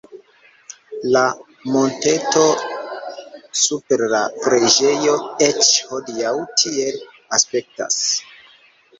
La monteto super la preĝejo eĉ hodiaŭ tiel aspektas.